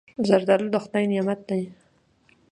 زردالو د خدای نعمت دی.